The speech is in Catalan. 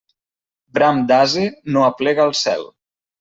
Bram d'ase no aplega al cel.